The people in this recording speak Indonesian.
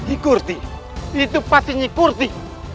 ikur sih itu pasti ikur sih